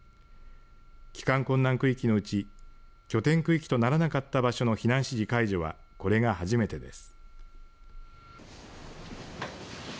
帰還困難区域のうち拠点区域とならなかった場所の避難指示解除はこれが初めてです。